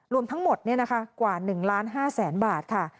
รวมทั้งหมดกว่า๑๕๐๐๐๐บาทค่ะ